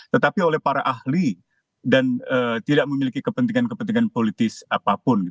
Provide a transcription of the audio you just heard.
tetapi oleh para ahli dan tidak memiliki kepentingan kepentingan politis apapun